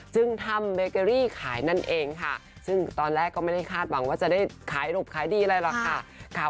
จึงทำเบเกอรี่ขายนั่นเองค่ะซึ่งตอนแรกก็ไม่ได้คาดหวังว่าจะได้ขายหลบขายดีอะไรหรอกค่ะ